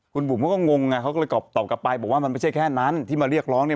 คุณบุ๋มเขาก็งงไงเขาก็เลยตอบกลับไปบอกว่ามันไม่ใช่แค่นั้นที่มาเรียกร้องเนี่ย